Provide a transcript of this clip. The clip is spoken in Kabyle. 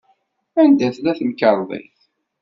Anda tella temkerḍit?